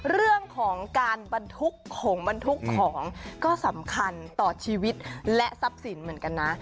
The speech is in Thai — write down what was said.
เรื่องของการบรรทุกของบรรทุกของก็สำคัญต่อชีวิตและทรัพย์สินเหมือนกันนะ